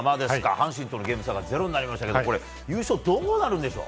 阪神とのゲーム差が０になりましたけど優勝は、どうなるんでしょう。